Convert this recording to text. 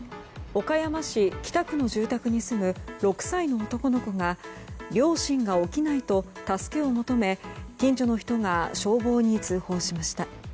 岡山市北区の住宅に住む６歳の男の子が両親が起きないと助けを求め近所の人が消防に通報しました。